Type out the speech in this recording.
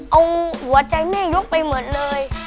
เอาหัวใจแม่ยกไปหมดเลย